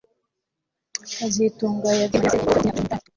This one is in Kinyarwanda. kazitunga yabwiye Mariya se yapfuye afite imyaka cumi nitatu